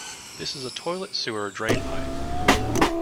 This is a toilet sewer drain pipe.